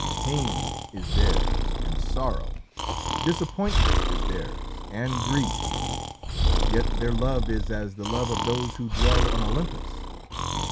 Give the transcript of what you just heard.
Pain is theirs, and sorrow. Disappointment is theirs, and grief. Yet their love is as the love of those who dwell on Olympus.